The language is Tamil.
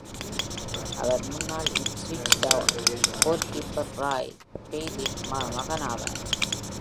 அவர் முன்னாள் இப்ஸ்விச் டவுன் கோல்கீப்பர் ராய் பெய்லியின் மகனாவார்.